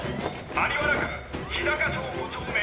在原区日高町５丁目。